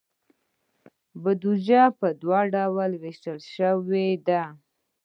بودیجه په دوه ډوله ویشل شوې ده.